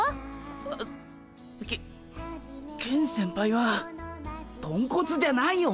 あケケン先輩はポンコツじゃないよ。